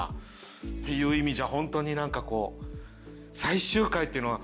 っていう意味じゃホントになんかこう。